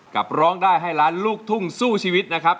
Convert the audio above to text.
ร้องได้ให้ล้านลูกทุ่งสู้ชีวิตนะครับ